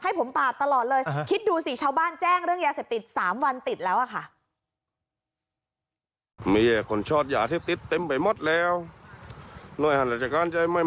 ให้ผมปราบตลอดเลยคิดดูสิชาวบ้านแจ้งเรื่องยาเสพติด๓วันติดแล้วอะค่ะ